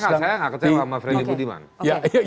saya nggak kecewa sama freddy budiman